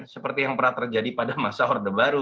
seperti yang pernah terjadi pada masa orde baru